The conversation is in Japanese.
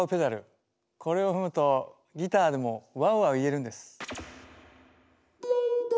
これを踏むとギターでも「ワウワウ」言えるんです。